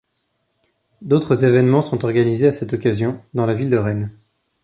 D'autres évènements sont organisés à cette occasion dans la ville de Rennes.